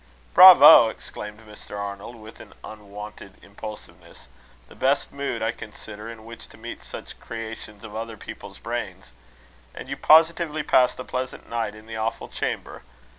"Bravo!" exclaimed Mr. Arnold, with an unwonted impulsiveness. "The best mood, I consider, in which to meet such creations of other people's brains! And you positively passed a pleasant night in the awful chamber?